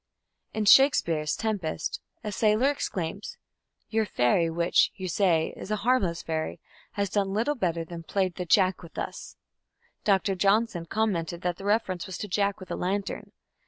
In Shakespeare's Tempest a sailor exclaims: "Your fairy, which, you say, is a harmless fairy, has done little better than played the Jack with us". Dr. Johnson commented that the reference was to "Jack with a lantern".